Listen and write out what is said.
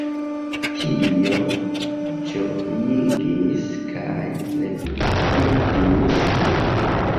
Tio ĝojigis kaj revigligis min!